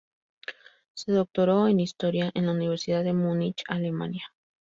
Se doctoró en historia en la Universidad de Múnich, Alemania.